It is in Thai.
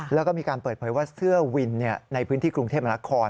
แล้วก็มีการเปิดเผยว่าเสื้อวินในพื้นที่กรุงเทพมนาคม